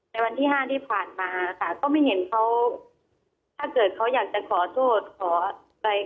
วันที่ห้าที่ผ่านมาค่ะก็ไม่เห็นเขาถ้าเกิดเขาอยากจะขอโทษขออะไร